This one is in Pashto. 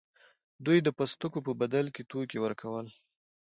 دوی د پوستکو په بدل کې توکي ورکول.